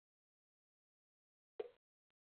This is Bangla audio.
কী, সিনহা সাহেব।